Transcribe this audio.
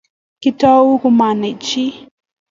kiitou komanai chi